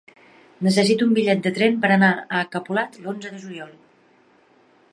Necessito un bitllet de tren per anar a Capolat l'onze de juliol.